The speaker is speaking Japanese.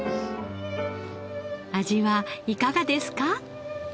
味はいかがですか？